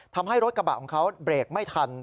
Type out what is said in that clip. ทำให้รถกระบะของเขาเบรกไม่ทัน